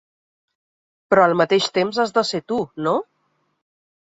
Però al mateix temps has de ser tu, no?